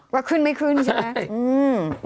ว่าขึ้นไหมขึ้นใช่เปล่า